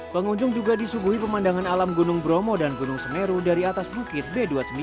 pengunjung juga disuguhi pemandangan alam gunung bromo dan gunung semeru dari atas bukit b dua puluh sembilan